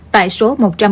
tại số một trăm bảy mươi ba